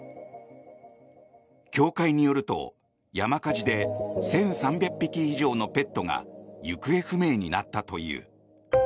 協会によると、山火事で１３００匹以上のペットが行方不明になったという。